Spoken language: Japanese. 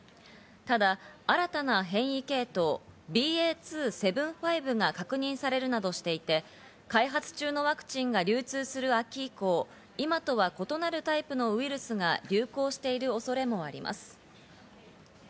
ただ新たな変異系統、ＢＡ．２．７５が確認されるなどしていて、開発中のワクチンが流通する秋以降、今とは異なるタイプのウイルスが流行している恐れもあります。